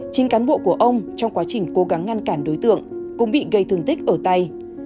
chính cán bộ của ông trong quá trình cố gắng ngăn cản đối tượng cũng bị gây thương tích ở tay